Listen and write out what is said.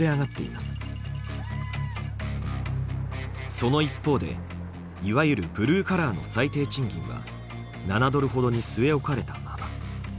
その一方でいわゆるブルーカラーの最低賃金は７ドルほどに据え置かれたまま。